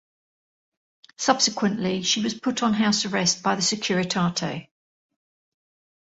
Subsequently, she was put on house arrest by the Securitate.